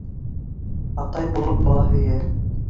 Атай булып бала һөйә.